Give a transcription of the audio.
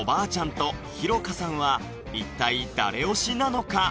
とひろかさんは一体誰推しなのか？